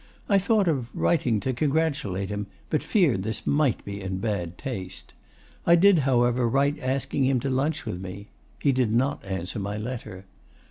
I thought of writing to congratulate him, but feared this might be in bad taste. I did, however, write asking him to lunch with me. He did not answer my letter.